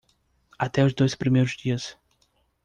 Até os dois primeiros dias